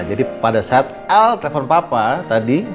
jadi pada saat el telepon papa tadi